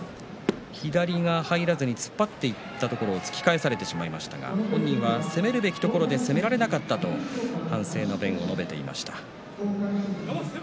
左が入らずに突っ張っていったところを突き返されてしまいましたが本人は攻めるべきところで攻められなかったと反省の弁を述べていました。